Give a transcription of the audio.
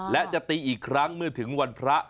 และจะตีอีกครั้งเมื่อถึงวันพระ